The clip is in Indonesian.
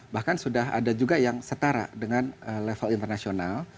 bahkan sudah ada juga yang setara dengan level internasional